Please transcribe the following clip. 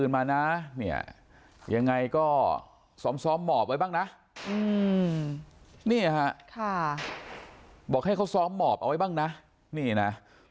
บอกให้เค้าซ้อมหมอบเอาไว้บ้างนะ